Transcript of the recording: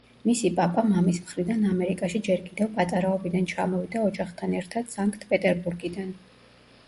მისი პაპა მამის მხრიდან ამერიკაში ჯერ კიდევ პატარაობიდან ჩამოვიდა ოჯახთან ერთად სანქტ-პეტერბურგიდან.